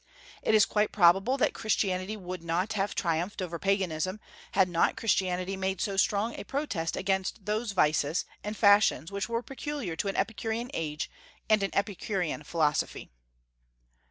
It is quite probable that Christianity would not have triumphed over Paganism, had not Christianity made so strong a protest against those vices and fashions which were peculiar to an Epicurean age and an Epicurean philosophy.